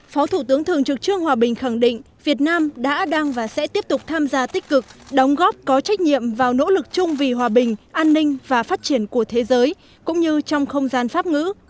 phó thủ tướng thường trực trương hòa bình khẳng định việt nam đã đang và sẽ tiếp tục tham gia tích cực đóng góp có trách nhiệm vào nỗ lực chung vì hòa bình an ninh và phát triển của thế giới cũng như trong không gian pháp ngữ